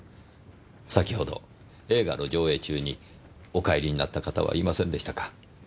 先ほど映画の上映中にお帰りになった方はいませんでしたか？